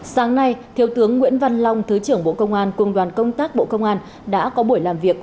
sáng nay thiếu tướng nguyễn văn long thứ trưởng bộ công an cùng đoàn công tác bộ công an đã có buổi làm việc